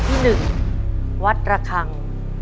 เรื่องที่๑วัดระคัง